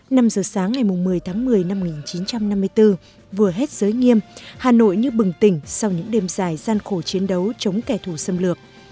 năm giờ sáng ngày một mươi tháng một mươi năm một nghìn chín trăm năm mươi bốn vừa hết giới nghiêm hà nội như bừng tỉnh sau những đêm dài gian khổ chiến đấu chống kẻ thù xâm lược